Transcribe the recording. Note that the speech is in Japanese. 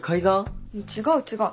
違う違う。